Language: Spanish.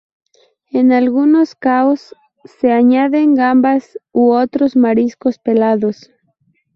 En algunos caos se añaden gambas u otros mariscos pelados.